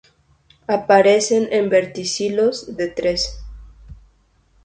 Aparecen en verticilos de tres.